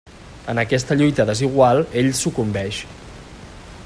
En aquesta lluita desigual ell sucumbeix.